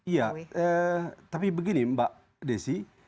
iya tapi begini mbak desi